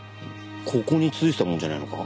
ここに付いてたものじゃないのか？